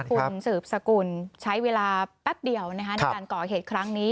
คุณสืบสกุลใช้เวลาแป๊บเดียวในการก่อเหตุครั้งนี้